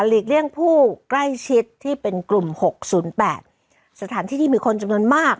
เลี่ยงผู้ใกล้ชิดที่เป็นกลุ่มหกศูนย์แปดสถานที่ที่มีคนจำนวนมาก